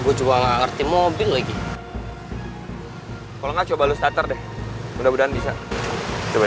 gua coba ngerti mobil lagi kalau nggak coba lu starter deh mudah mudahan bisa